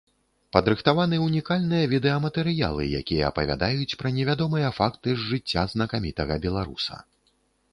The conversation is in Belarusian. Падрыхтаваны ўнікальныя відэаматэрыялы, якія апавядаюць пра невядомыя факты з жыцця знакамітага беларуса.